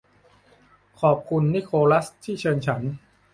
ขอบคุณนิโคลัสที่เชิญฉัน